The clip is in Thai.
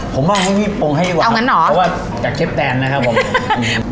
ผมเอาให้พี่ปรุงให้ดีกว่าเอางั้นเหรอเพราะว่าจากเชฟแตนนะครับผม